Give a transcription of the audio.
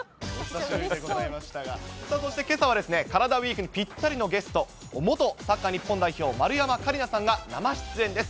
そしてけさは、カラダＷＥＥＫにぴったりのゲスト、元サッカー日本代表、丸山桂里奈さんが生出演です。